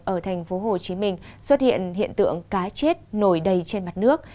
ở thành phố hồ chí minh xuất hiện hiện tượng cá chết nổi đầy trên mặt nước